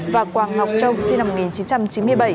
và quang ngọc châu sinh năm một nghìn chín trăm chín mươi bảy